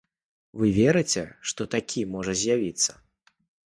Вы верыце, што такі можа з'явіцца?